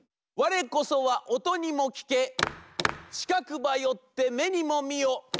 「われこそはおとにもきけちかくばよってめにもみよ。